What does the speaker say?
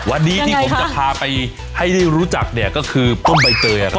วันนี้ที่ผมจะพาไปให้ได้รู้จักเนี่ยก็คือต้มใบเตยครับ